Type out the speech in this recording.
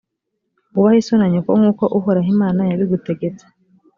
wubahe so na nyoko nk’uko uhoraho imana yabigutegetse,